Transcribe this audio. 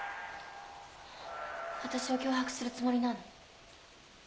私を脅迫するつもりなの？